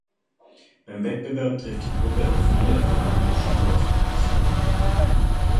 Beim Wettbewerb trifft die Gruppe auf viele erfahrenere Schüler aus dem ganzen Land.